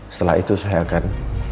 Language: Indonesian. setelah itu saya akan